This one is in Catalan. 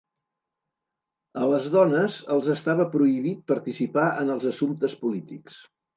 A les dones els estava prohibit participar en els assumptes polítics.